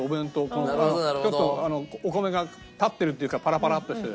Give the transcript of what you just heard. ちょっとお米が立ってるっていうかパラパラッとしてて。